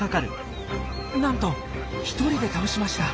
なんと独りで倒しました。